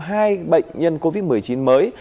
hai bệnh nhân covid một mươi chín mới